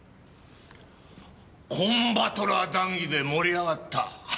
コン・バトラー談議で盛り上がった。